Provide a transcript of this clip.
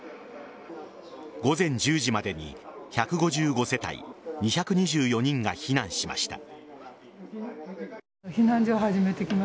午前１０時までに１５５世帯２２４人が避難しました。